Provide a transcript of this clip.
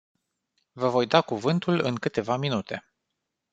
Vă voi da cuvântul în câteva minute.